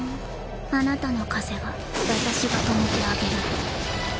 あなたの風は私が止めてあげるの。